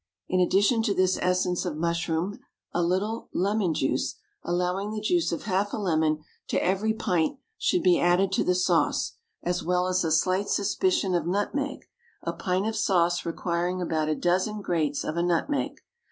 In addition to this essence of mushroom, a little lemon juice allowing the juice of half a lemon to every pint, should be added to the sauce, as well as a slight suspicion of nutmeg, a pint of sauce requiring about a dozen grates of a nutmeg.